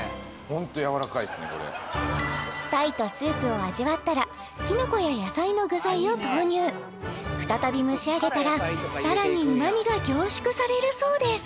ホントやわらかいっすねこれ鯛とスープを味わったらきのこや野菜の具材を投入再び蒸し上げたらさらにうまみが凝縮されるそうです